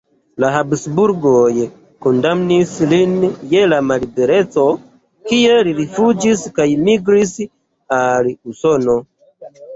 La Habsburgoj kondamnis lin je mallibereco, kie li rifuĝis kaj migris al Usono.